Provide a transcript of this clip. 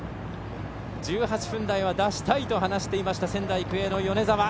１８分台は出したいと話していた仙台育英の米澤。